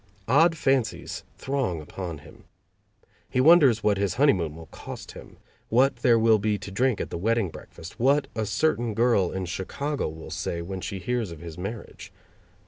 Odd fancies throng upon him. He wonders what his honeymoon will cost him, what there will be to drink at the wedding breakfast, what a certain girl in Chicago will say when she hears of his marriage.